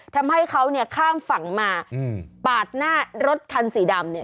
ทำให้เขาข้ามฝั่งมาปาดหน้ารถคันสีดำ